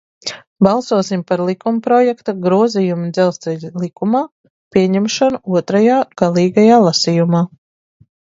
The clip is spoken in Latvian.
"Balsosim par likumprojekta "Grozījumi Dzelzceļa likumā" pieņemšanu otrajā, galīgajā, lasījumā."